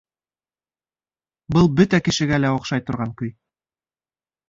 Был бөтә кешегә лә оҡшай торған көй